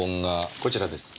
こちらです。